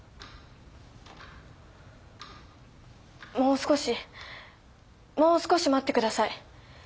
もう少しもう少し待ってください。